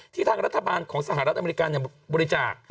ทางรัฐบาลของสหรัฐอเมริกาบริจาค